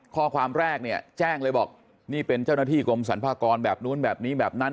ข้อความแรกเนี่ยแจ้งเลยบอกนี่เป็นเจ้าหน้าที่กรมสรรพากรแบบนู้นแบบนี้แบบนั้น